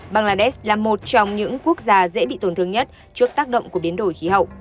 bangladesh là một trong những quốc gia dễ bị tổn thương nhất trước tác động của biến đổi khí hậu